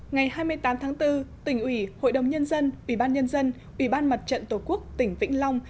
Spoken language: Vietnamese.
ngày hai mươi tám tháng bốn tỉnh ủy hội đồng nhân dân ủy ban nhân dân ủy ban mặt trận tổ quốc tỉnh vĩnh long